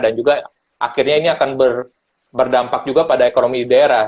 dan juga akhirnya ini akan berdampak juga pada ekonomi daerah